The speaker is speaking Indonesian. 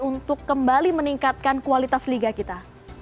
untuk kembali meningkatkan kualitas liga kita